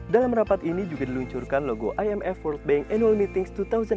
dalam rapat ini juga diluncurkan logo imf world bank annual meetings dua ribu delapan belas